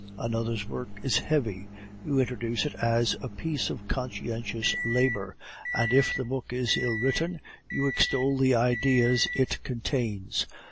Another's work is heavy; you introduce it as a piece of conscientious labor; and if the book is ill written, you extol the ideas it contains.